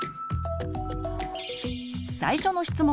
最初の質問！